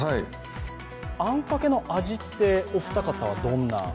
あんかけの味って、お二方はどんな？